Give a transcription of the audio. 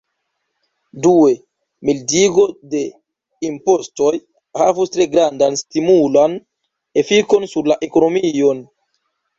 Due, mildigo de impostoj havus tre grandan stimulan efikon sur la ekonomion.